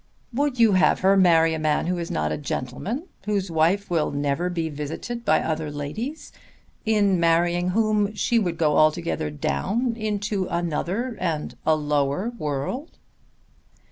"Would you have her marry a man who is not a gentleman, whose wife will never be visited by other ladies; in marrying whom she would go altogether down into another and a lower world?"